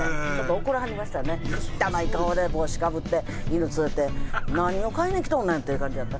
汚い顔で帽子かぶって犬連れて何を買いに来とんねん？っていう感じやった。